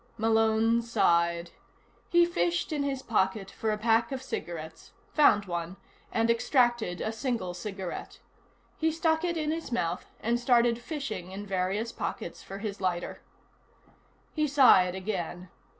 Malone sighed. He fished in his pocket for a pack of cigarettes, found one, and extracted a single cigarette. He stuck it in his mouth and started fishing in various pockets for his lighter. He sighed again.